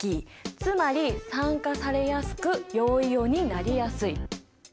つまり酸化されやすく陽イオンになりやすい。